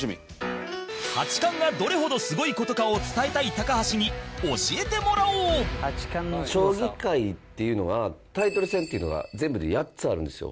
八冠がどれほどすごい事かを伝えたい高橋に教えてもらおう将棋界っていうのはタイトル戦っていうのが全部で８つあるんですよ。